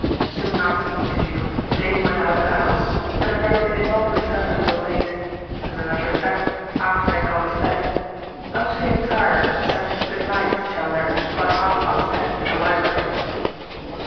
Soon after the interview Dane went out of the house, and apparently did not return until late as a matter of fact, after I had gone to bed. I was feeling tired and said 'good night' to Challoner about half past ten in the library."